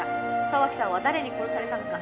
「沢木さんは誰に殺されたのか？」